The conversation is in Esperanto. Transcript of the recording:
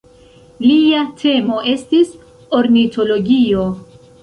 Lia temo estis ornitologio.